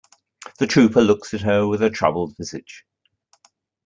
The trooper looks at her with a troubled visage.